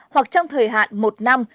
hoặc trong thời hạn một năm